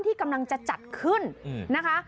ที่กำลังจะจัดขึ้นนะคะ